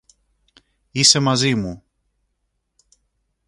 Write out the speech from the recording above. Είσαι μαζί μου.